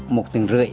một thằng rưỡi